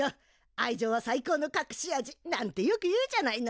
愛情は最高のかくし味なんてよく言うじゃないの！